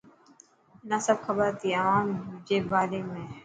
منان سڀ کبر هتي اوهان جي باري ۾.